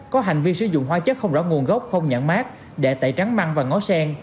có hành vi sử dụng hoa chất không rõ nguồn gốc không nhãn mát để tẩy trắng măng và ngó sen